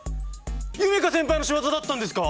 夢叶先輩の仕業だったんですか？